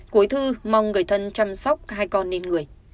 cuối thư mong người thân chăm sóc hai con nên người